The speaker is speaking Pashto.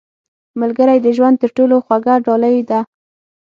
• ملګری د ژوند تر ټولو خوږه ډالۍ ده.